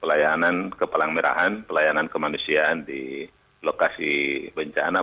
pelayanan ke palang merahan pelayanan kemanusiaan di lokasi bencana